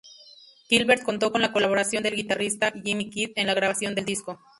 Gilbert contó con la colaboración del guitarrista Jimi Kidd en la grabación del disco.